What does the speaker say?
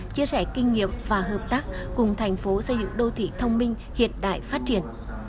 chia sẻ kinh nghiệm và hợp tác cùng thành phố xây dựng đô thị thông minh hiện đại phát triển